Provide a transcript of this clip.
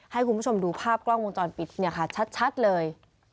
ให้คุณผู้ชมดูภาพกล้องวงจรปิดเนี่ยค่ะชัดเลย